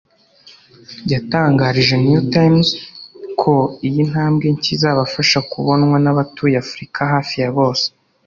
yatangarije New Times ko iyi ntambwe nshya izabafasha kubonwa n’abatuye Afurika hafi ya bose